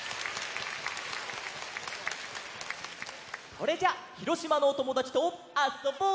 それじゃあ広島のおともだちとあっそぼう！